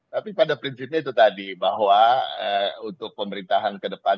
tapi pada prinsipnya itu tadi bahwa untuk pemerintahan ke depan